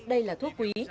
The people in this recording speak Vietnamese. đây là thuốc quý